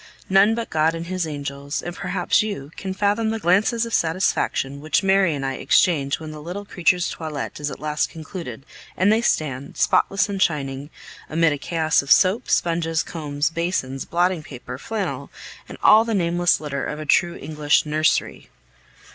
None but God and His angels and perhaps you can fathom the glances of satisfaction which Mary and I exchange when the little creatures' toilet is at last concluded, and they stand, spotless and shining, amid a chaos of soap, sponges, combs, basins, blotting paper, flannel, and all the nameless litter of a true English "nursery."